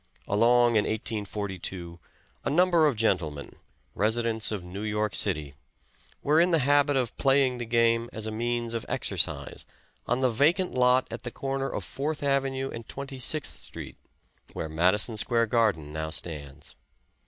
Along in 1842 a number of gentlemen, residents of New York City, were in the habit of playing the game as a means of exercise on the vacant lot at the corner of Fourth Avenue and Twenty sixth Street, where Madison Square Garden now stands.